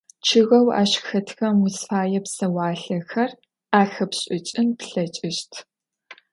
Чъыгэу ащ хэтхэм узыфае псэуалъэхэр ахэпшӏыкӏын плъэкӏыщт.